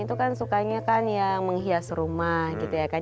dan itu kan sukanya kan ya menghias rumah gitu ya kan